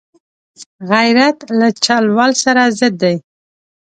غیرت له چل ول سره ضد دی